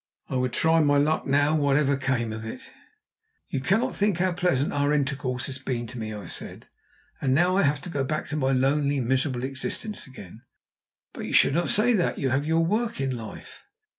I would try my luck now whatever came of it. "You cannot think how pleasant our intercourse has been to me," I said. "And now I have to go back to my lonely, miserable existence again." "But you should not say that; you have your work in life!"